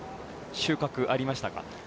収穫、ありましたか？